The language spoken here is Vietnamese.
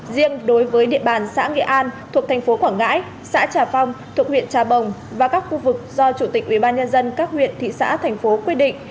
riêng đối với địa bàn xã nghệ an thuộc thành phố quảng ngãi xã trà phong thuộc huyện trà bồng và các khu vực do chủ tịch ubnd các huyện thị xã thành phố quy định